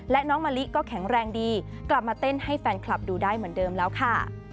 และน้องมะลิก็แข็งแรงดีกลับมาเต้นให้แฟนคลับดูได้เหมือนเดิมแล้วค่ะ